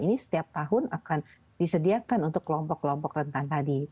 ini setiap tahun akan disediakan untuk kelompok kelompok rentan tadi